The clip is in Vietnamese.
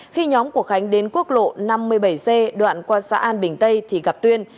khi nhóm của khánh đến quốc lộ năm mươi bảy c đoạn qua xã an bình tây thì gặp tuyên